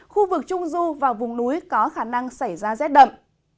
khu vực trung du và vùng núi có khả năng xảy ra rét đậm